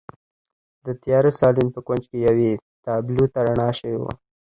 د تیاره سالون په کونج کې یوې تابلو ته رڼا شوې وه